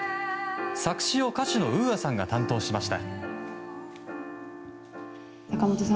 作詞を歌手のＵＡさんが担当しました。